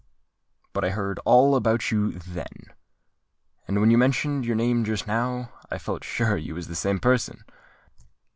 But I heard all about you then; and when you mentioned your name just now, I felt sure you was the same person.